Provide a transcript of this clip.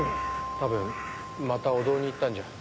多分また御堂に行ったんじゃ。